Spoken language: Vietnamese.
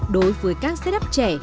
đối với các setup trẻ